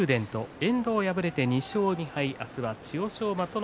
遠藤は敗れて２勝２敗。